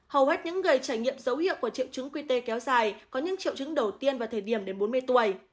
hầu hết những người trải nghiệm dấu hiệu của triệu chứng qt kéo dài có những triệu chứng đầu tiên vào thời điểm đến bốn mươi tuổi